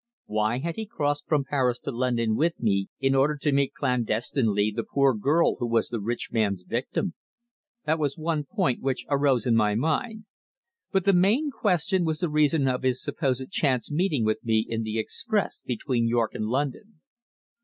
Why had he crossed from Paris to London with me in order to meet clandestinely the poor girl who was the rich man's victim? That was one point which arose in my mind. But the main question was the reason of his supposed chance meeting with me in the express between York and London.